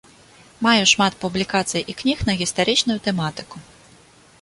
Маю шмат публікацый і кніг на гістарычную тэматыку.